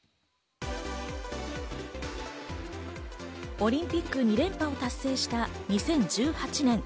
オリンピック２連覇を達成した２０１８年。